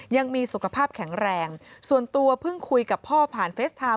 ยังมีสุขภาพแข็งแรงส่วนตัวเพิ่งคุยกับพ่อผ่านเฟสไทม